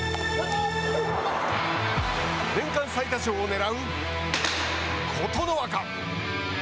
年間最多勝をねらう琴ノ若。